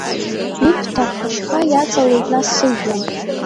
Иԥҭа хәашьха иаҵалеит нас сыжәҩан.